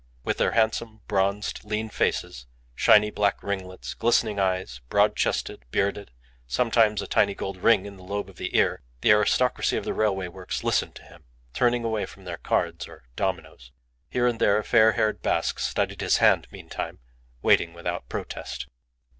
With their handsome, bronzed, lean faces, shiny black ringlets, glistening eyes, broad chested, bearded, sometimes a tiny gold ring in the lobe of the ear, the aristocracy of the railway works listened to him, turning away from their cards or dominoes. Here and there a fair haired Basque studied his hand meantime, waiting without protest.